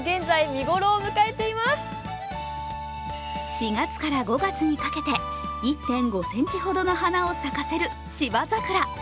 ４月から５月にかけて、１．５ｃｍほどの花を咲かせる芝桜。